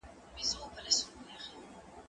زه مېوې نه راټولوم،